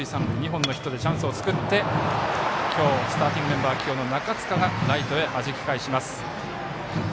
２本のヒットでチャンスを作って今日スターティングメンバー起用中塚がライトへはじき返します。